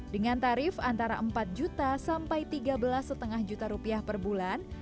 dengan tarif antara empat juta sampai tiga belas lima juta rupiah per bulan